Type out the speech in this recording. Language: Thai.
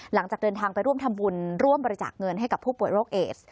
หลังจากเดินทางไปร่วมทำบุญร่วมบริจาคเงินให้กับผู้ป่วยโรคเอส